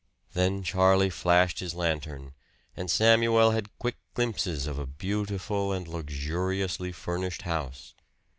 Then Charlie flashed his lantern, and Samuel had quick glimpses of a beautiful and luxuriously furnished house.